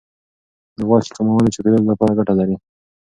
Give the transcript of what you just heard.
د غوښې کمول د چاپیریال لپاره ګټه لري.